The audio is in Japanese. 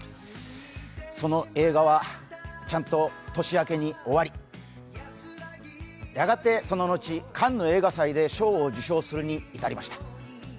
その映画はちゃんと年明けに終わり、やがてその後、カンヌ映画祭で賞を受賞するに至りました。